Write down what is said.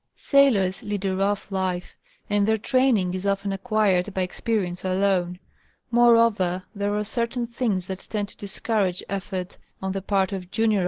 Sailors lead'a rough life, and their train ing is often acquired by experience alone. Moreover, there are certain things that tend to discourage effort on the part of junior The Law of Storms.